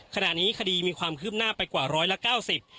คดีมีความคืบหน้าไปกว่าร้อยละเก้าสิบ